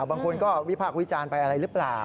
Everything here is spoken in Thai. บางคนก็วิพากษ์วิจารณ์ไปอะไรหรือเปล่า